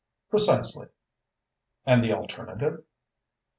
"Precisely!" "And the alternative?"